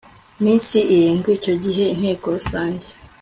minsi irindwi Icyo gihe Inteko Rusange